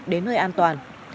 đến nơi an toàn